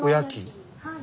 はい。